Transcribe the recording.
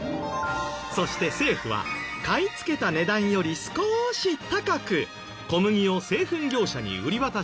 そして政府は買いつけた値段より少し高く小麦を製粉業者に売り渡しています。